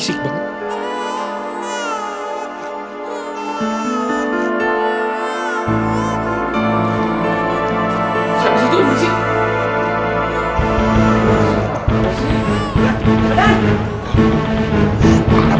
surah apa sebagainya